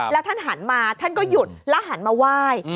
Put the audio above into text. แล้วท่านหันมาท่านก็หยุดแล้วหันมาไหว้